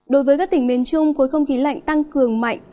đối với các tỉnh miền trung khối không khí lạnh tăng cường mạnh